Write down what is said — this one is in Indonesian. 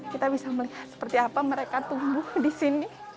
kita bisa melihat seperti apa mereka tumbuh di sini